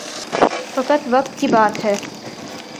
فقط وقت کی بات ہے۔